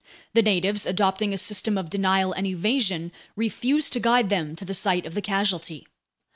The natives, adopting a system of denial and evasion, refused to guide them to the site of the casualty.